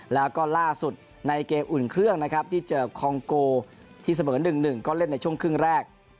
แล้วก็ล่าสุดในเกมอุ่นเครื่องนะครับที่เจอคองโกที่เสมอ๑๑ก็เล่นในช่วงครึ่งแรก